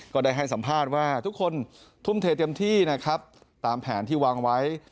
ก็ได้ให้สัมภาษณ์ว่าทุกคนทุ่มเทเต็มที่นะครับตามแผนที่วางไว้